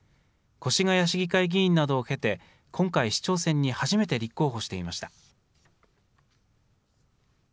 越谷市議会議員などを経て、今回、市長選に初めて立候補していました。